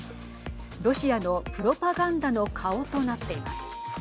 ロシアのプロパガンダの顔となっています。